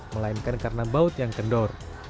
melainkan karena baut yang kendor